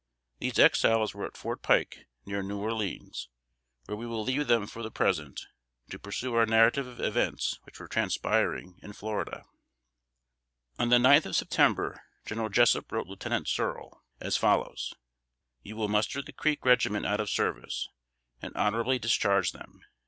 These Exiles were at Fort Pike, near New Orleans, where we will leave them for the present, to pursue our narrative of events which were transpiring in Florida. On the ninth of September, General Jessup wrote Lieutenant Searle, as follows: "You will muster the Creek regiment out of service, and honorably discharge them.